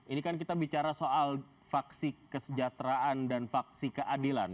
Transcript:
ini kan kita bicara soal faksi kesejahteraan dan faksi keadilan